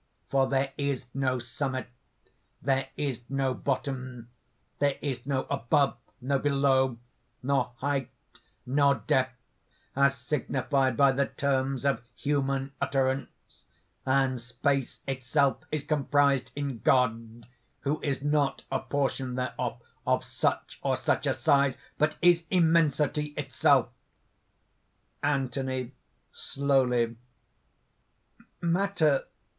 For there is no summit, there is no bottom; there is no Above, no Below nor height, nor depth as signified by the terms of human utterance. And Space itself is comprised in God, who is not a portion thereof of such or such a size, but is Immensity itself!" ANTHONY (slowly): "Matter